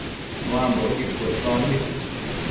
Nuambocquid cuesombi